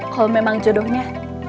kalo memang jodohnya